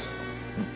うん。